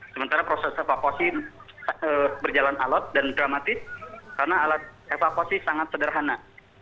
sementara proses evakuasi berjalan alat dan dramatis karena alat evakuasi sangat sederhana